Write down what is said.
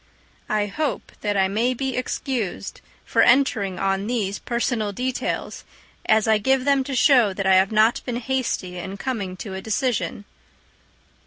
I hope that I may be excused for entering on these personal details, as I give them to show that I have not been hasty in coming to a decision.